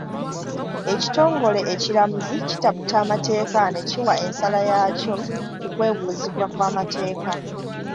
Ekitongole ekiramuzi kitaputa amateeka ne kiwa ensala yaakyo ku kwebuuzibwa kw'amateeka.